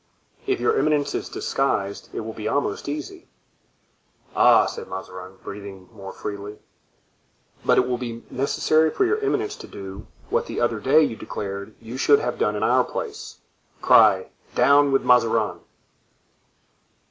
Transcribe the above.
"If your eminence is disguised it will be almost easy." "Ah!" said Mazarin, breathing more freely. "But it will be necessary for your eminence to do what the other day you declared you should have done in our place—cry, 'Down with Mazarin!